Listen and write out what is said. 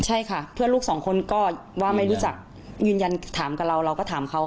ใช่ค่ะเพื่อนลูกสองคนก็ว่าไม่รู้จักยืนยันถามกับเราเราก็ถามเขา